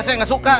saya gak suka